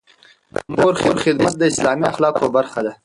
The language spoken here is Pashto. د مور خدمت د اسلامي اخلاقو برخه ده.